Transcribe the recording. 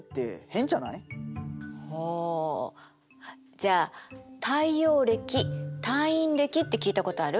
じゃあ太陽暦太陰暦って聞いたことある？